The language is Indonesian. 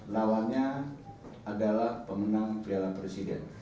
lawannya adalah pemenang piala presiden